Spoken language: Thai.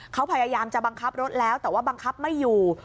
เขาพยายามจะบังคับรถแล้วแต่ว่าบังคับไม่อยู่